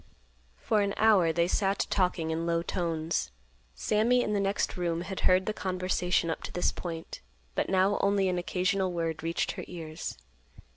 For an hour they sat talking in low tones. Sammy in the next room had heard the conversation up to this point, but now only an occasional word reached her ears.